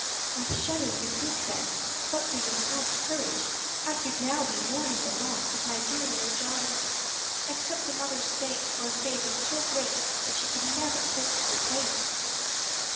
I shudder to think that, but for your prompt courage, I should now be mourning the loss of my dear little Johnny. Accept a mother's thanks for a favor so great that she can never hope to repay it."